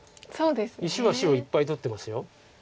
石は白いっぱい取ってます。